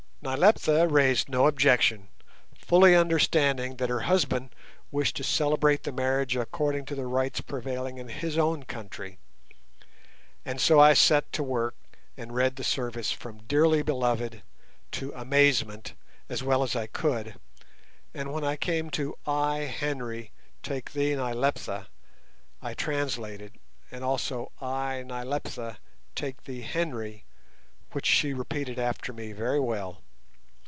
Nyleptha raised no objection, fully understanding that her husband wished to celebrate the marriage according to the rites prevailing in his own country, and so I set to work and read the service, from "Dearly beloved" to "amazement", as well as I could; and when I came to "I, Henry, take thee, Nyleptha," I translated, and also "I, Nyleptha, take thee, Henry," which she repeated after me very well.